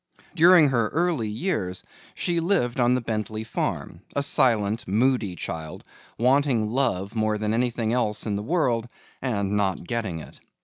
During her early years she lived on the Bentley farm, a silent, moody child, wanting love more than anything else in the world and not getting it.